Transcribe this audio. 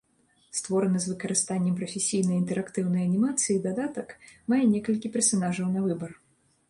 Створаны з выкарыстаннем прафесійнай інтэрактыўнай анімацыі дадатак мае некалькі персанажаў на выбар.